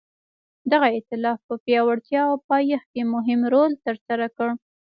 دغه ایتلاف په پیاوړتیا او پایښت کې مهم رول ترسره کړ.